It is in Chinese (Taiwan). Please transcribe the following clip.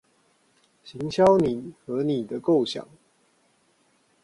行銷你和你的構想